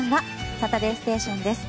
「サタデーステーション」です。